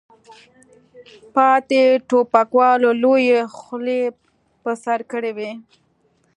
پاتې ټوپکوالو لویې خولۍ په سر کړې وې.